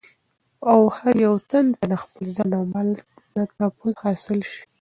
او هر يو تن ته دخپل ځان او مال نه تحفظ حاصل سي